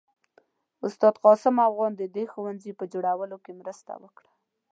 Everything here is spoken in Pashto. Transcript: استاد قاسم افغان د دې ښوونځي په جوړولو کې مرسته وکړه.